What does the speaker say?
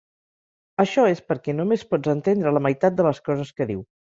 Això és perquè només pots entendre la meitat de les coses que diu.